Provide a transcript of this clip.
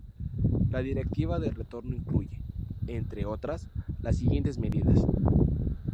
La directiva del retorno incluye, entre otras, las siguientes medidas.